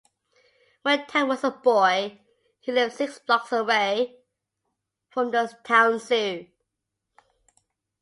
When Ted was a boy, he lived six blocks away from the town zoo.